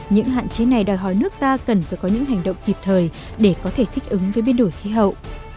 những hạn chế này đòi hỏi nước ta cần phải có những hành động kịp thời để có thể thích ứng với biến đổi khí hậu